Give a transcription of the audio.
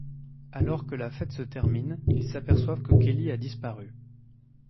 Alors que la fête se termine, ils s'aperçoivent que Kelly a disparu.